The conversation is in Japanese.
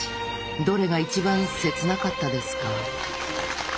どれが一番切なかったですか？